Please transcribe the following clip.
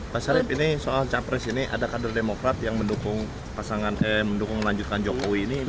pak sarip ini soal capres ini ada kader demokrat yang mendukung pasangan eh mendukung melanjutkan jokowi ini